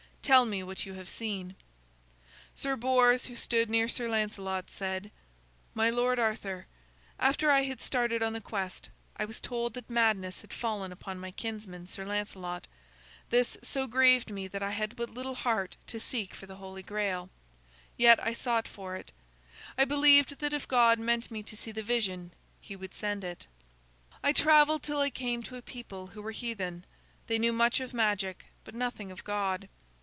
Tell me what you have seen." Sir Bors, who stood near Sir Lancelot, said: "My lord Arthur, after I had started on the quest, I was told that madness had fallen upon my kinsman, Sir Lancelot. This so grieved me that I had but little heart to seek for the Holy Grail. Yet I sought for it. I believed that if God meant me to see the vision he would send it. "I traveled till I came to a people who were heathen. They knew much of magic, but nothing of God.